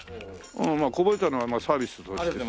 まあこぼれたのはサービスとしてさ。